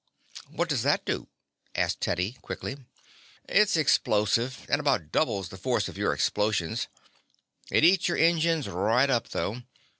"What does that do?" asked Teddy quickly. "It's explosive, and about doubles the force of your explosions. It eats your engines right up, though.